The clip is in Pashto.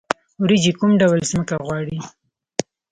وریجې کوم ډول ځمکه غواړي؟